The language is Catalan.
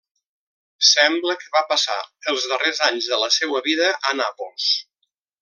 Sembla que va passar els darrers anys de la seua vida a Nàpols.